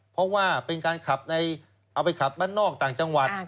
เพราะว่าเป็นการขับเอาไปขับบ้านนอกต่างจังหวัด